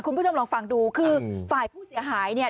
คุณผู้ชมลองฟังดูคือฝ่ายผู้เสียหายเนี่ย